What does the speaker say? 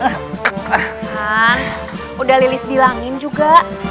sudah lilis di langit juga